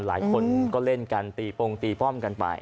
หลายคนก็เล่นกันตีปงตีป้อมกันไป